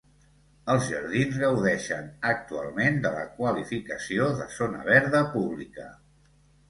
Els jardins gaudeixen actualment de la qualificació de Zona Verda Pública.